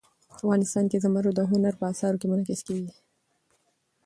افغانستان کې زمرد د هنر په اثار کې منعکس کېږي.